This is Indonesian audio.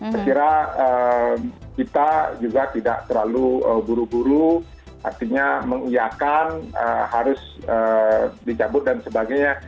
kira kira kita juga tidak terlalu buru buru artinya menguyakan harus dicabut dan sebagainya